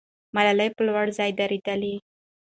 ملالۍ په لوړ ځای درېدله.